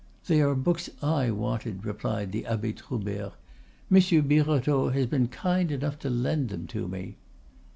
"They are books I wanted," replied the Abbe Troubert. "Monsieur Birotteau has been kind enough to lend them to me."